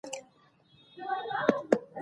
کورنۍ د یوې ګډې مینې له لارې خپل تړاو ساتي